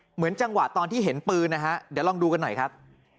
เหมือนจังหวะตอนที่เห็นปืนนะฮะเดี๋ยวลองดูกันหน่อยครับ